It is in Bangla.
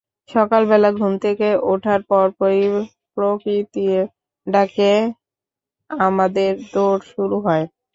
সকালবেলা ঘুম থেকে ওঠার পরপরই প্রকৃতির ডাকে আমাদের দৌড় শুরু হয়।